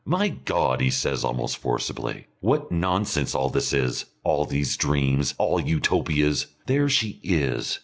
"My God!" he says almost forcibly, "what nonsense all this is! All these dreams! All Utopias! There she is